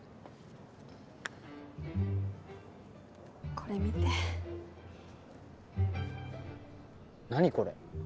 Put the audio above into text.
これ見て何これ？